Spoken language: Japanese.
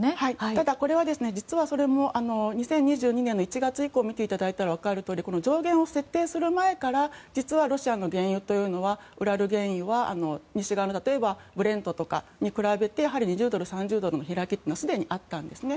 ただ、実はそれも２０２２年の１月以降見ていただいたらわかるとおり上限を設定する前から実はロシアの原油というのはウラル原油は西側の例えばブレントとかに比べてやはり２０ドル、３０ドルの開きがあったんですね。